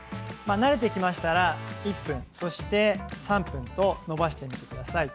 慣れてきたら１分、そして３分と延ばしてみてください。